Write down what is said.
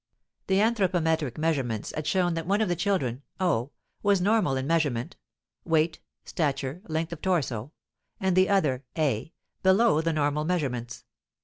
The anthropometric measurements had shown that one of the children, O, was normal in measurement (weight, stature, length of torso) and the other, A, below the normal measurements.